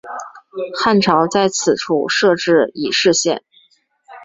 汉朝在此处设置己氏县。